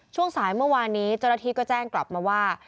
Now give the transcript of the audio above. ช่วงสายเมื่อวานนี้จรฐีก็แจ้งกลับมาว่า